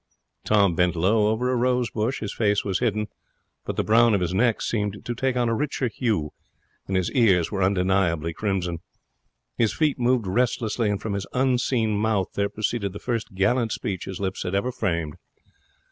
Tom bent low over a rose bush. His face was hidden, but the brown of his neck seemed to take on a richer hue, and his ears were undeniably crimson. His feet moved restlessly, and from his unseen mouth there proceeded the first gallant speech his lips had ever framed.